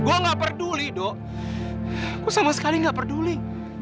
gue gak peduli do gue sama sekali gak peduli